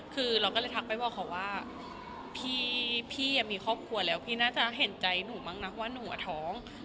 คือเราก็เลยทักไปบอกเขาว่าพี่มีครอบครัวแล้วพี่น่าจะเห็นใจหนูบ้างนะว่าหนูอ่ะท้อง